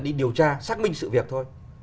đi điều tra xác minh sự việc thôi